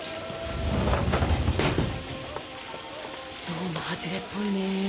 どうもハズレっぽいね。